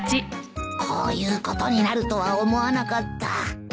こういうことになるとは思わなかった